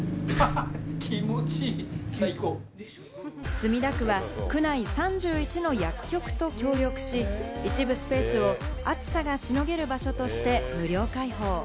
墨田区は区内３１の薬局と協力し、一部スペースを暑さがしのげる場所として無料開放。